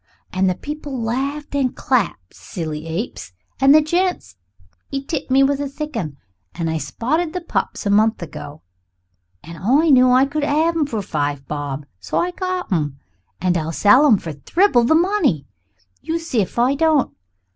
And the people laughed and clapped silly apes! And the gent 'e tipped me a thick 'un, and I spotted the pups a month ago, and I knew I could have 'em for five bob, so I got 'em. And I'll sell em for thribble the money, you see if I don't.